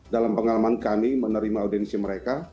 dalam pengalaman kami menerima audiensi mereka